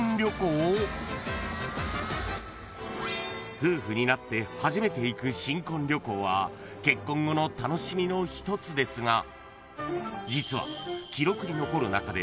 ［夫婦になって初めて行く新婚旅行は結婚後の楽しみの一つですが実は］